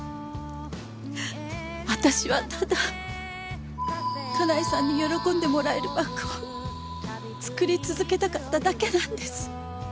私はただ香奈恵さんに喜んでもらえるバッグを作り続けたかっただけなんです。